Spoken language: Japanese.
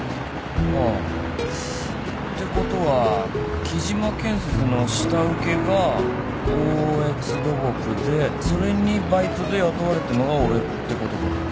ああてことは喜嶋建設の下請けが大悦土木でそれにバイトで雇われてんのが俺ってことか。